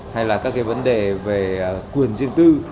hay là các cái vấn đề về quyền riêng tư